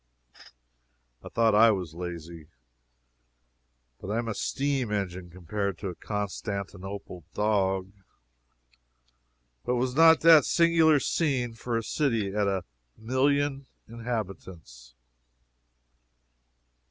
I thought I was lazy, but I am a steam engine compared to a Constantinople dog. But was not that a singular scene for a city of a million inhabitants?